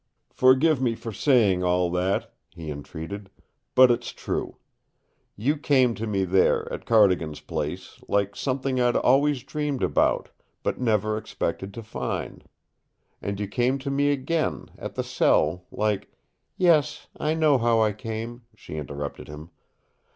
"Forgive me for saying all that," he entreated. "But it's true. You came to me there, at Cardigan's place, like something I'd always dreamed about, but never expected to find. And you came to me again, at the cell, like " "Yes, I know how I came," she interrupted him.